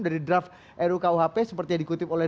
dari draft rukuhp seperti yang dikutip oleh